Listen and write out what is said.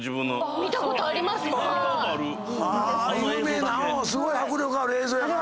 有名な迫力ある映像やからな。